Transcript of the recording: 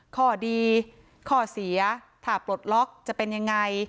ข้อดีข้อเสียถ้าปลดล็อกจะเป็นยังไง